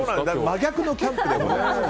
真逆のキャンプです。